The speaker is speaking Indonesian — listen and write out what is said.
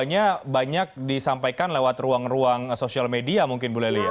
semuanya banyak disampaikan lewat ruang ruang sosial media mungkin bu lely ya